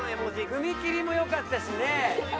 踏み切りもよかったしね。